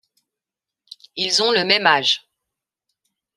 Ils ont le même âge.